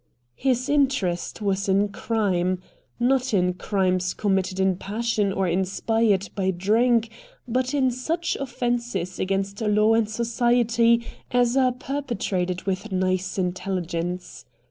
His interest was in crime. Not in crimes committed in passion or inspired by drink, but in such offences against law and society as are perpetrated with nice intelligence.